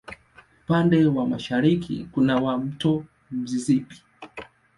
Upande wa mashariki kuna wa Mto Mississippi.